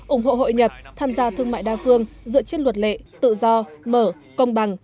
ủng hộ hội nhập tham gia thương mại đa phương dựa trên luật lệ tự do mở công bằng